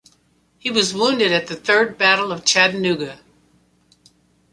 He was wounded at the Third Battle of Chattanooga.